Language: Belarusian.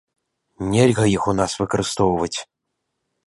Нельга іх у нас выкарыстоўваць.